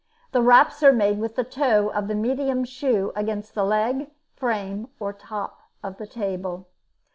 The raps are made with the toe of the medium's shoe against the leg, frame, or top of the table.